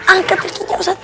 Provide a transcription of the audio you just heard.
angkat diri nya ustadz